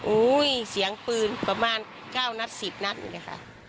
เสียงปืนประมาณ๙นัด๑๐นัดอยู่เลยค่ะ